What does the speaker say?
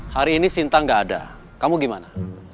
hari ini sintang gak ada kamu gimana